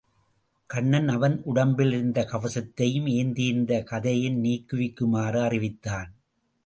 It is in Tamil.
கண்ணன் அவன் உடம்பிலிருந்த கவசத்தையும், ஏந்தியிருந்த கதையையும் நீக்கு விக்குமாறு அறிவித்தான்.